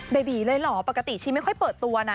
เบบีเลยเหรอปกติชีไม่ค่อยเปิดตัวนะ